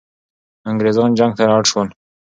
انګریزان جنگ ته اړ سول.